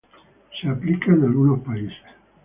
Es aplicado en algunos países.